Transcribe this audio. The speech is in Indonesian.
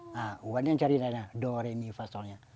nah wan yang cari nada do re mi fa sol nya